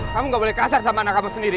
kamu gak boleh kasar sama anak kamu sendiri